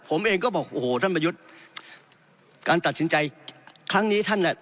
ผมเองก็บอกโอ้โหท่านประยุทธ์การตัดสินใจครั้งนี้ท่านเนี่ย